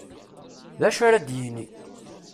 D acu ara d-yini!